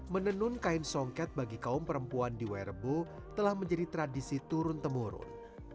menenun kain songket bagi kaum perempuan di werebo telah menjadi tradisi turun temurun